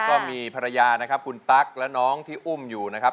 ก็มีภรรยานะครับคุณตั๊กและน้องที่อุ้มอยู่นะครับ